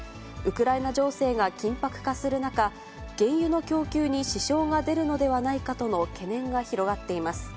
ウクライナ情勢が緊迫化する中、原油の供給に支障が出るのではないかとの懸念が広がっています。